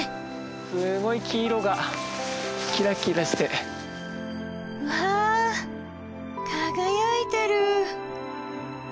すごい黄色がキラキラして。わ輝いてる！